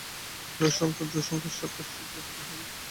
জয় শঙ্কর! জয় শঙ্কর! সাক্ষাৎ শিব-দর্শন হল।